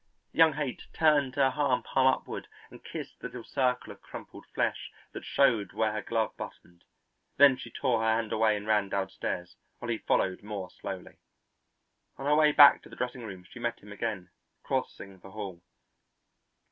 Young Haight turned her hand palm upward and kissed the little circle of crumpled flesh that showed where her glove buttoned. Then she tore her hand away and ran downstairs, while he followed more slowly. On her way back to the dressing room she met him again, crossing the hall.